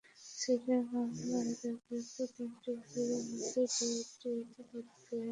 সুইডেনের মামলায় তাঁর বিরুদ্ধে তিনটি অভিযোগের মধ্যে দুটি ইতিমধ্যে তামাদি হয়ে গেছে।